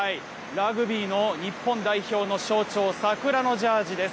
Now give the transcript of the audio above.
ラグビーの日本代表の象徴、桜のジャージです。